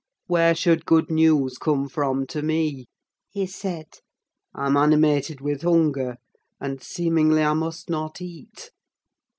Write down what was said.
"Where should good news come from to me?" he said. "I'm animated with hunger; and, seemingly, I must not eat."